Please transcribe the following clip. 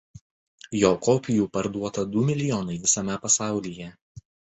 Jo kopijų parduota du milijonai visame pasaulyje.